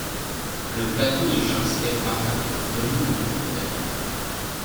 Le plateau de Chastel-Marlac domine le bourg de Vebret.